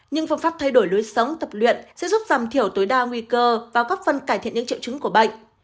nhưng phương pháp thay đổi lối sống tập luyện sẽ giúp giảm thiểu tối đa nguy cơ và góp phần cải thiện những triệu chứng của bệnh